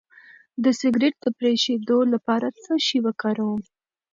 د سګرټ د پرېښودو لپاره څه شی وکاروم؟